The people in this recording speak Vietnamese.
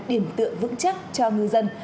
điểm tượng vững chắc cho ngư dân